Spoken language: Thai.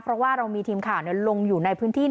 เพราะว่าเรามีทีมข่าวลงอยู่ในพื้นที่